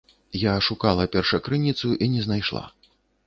Я шукала першакрыніцу і не знайшла.